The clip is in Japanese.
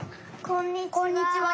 こんにちは。